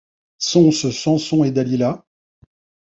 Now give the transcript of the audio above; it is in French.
Sont-ce Samson et Dalila ?